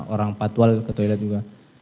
orang patwal ke toilet juga